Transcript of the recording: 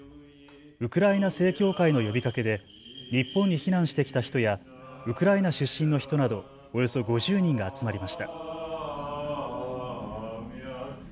ウクライナ正教会の呼びかけで日本に避難してきた人やウクライナ出身の人などおよそ５０人が集まりました。